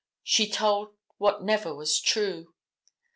She told what never was true.